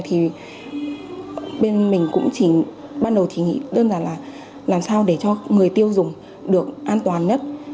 thì bên mình cũng chỉ ban đầu chỉ nghĩ đơn giản là làm sao để cho người tiêu dùng được an toàn nhất